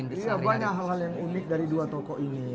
iya banyak hal hal yang unik dari dua tokoh ini